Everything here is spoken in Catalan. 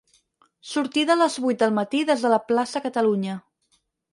Sortida a les vuit del matí des de la Plaça Catalunya.